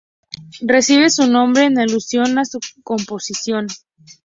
Recibe su nombre en alusión a su composición.